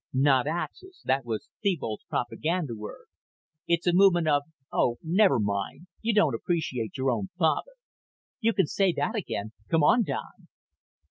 "Not Axis. That was Thebold's propaganda word. It's a movement of oh, never mind. You don't appreciate your own father." "You can say that again. Come on, Don."